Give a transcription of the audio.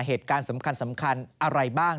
เหตุการณ์สำคัญอะไรบ้าง